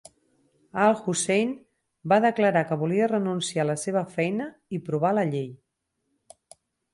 Al-Hussein va declarar que volia renunciar a la seva feina i provar la llei.